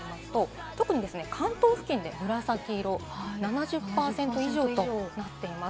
特に関東付近で紫色、７０％以上となっています。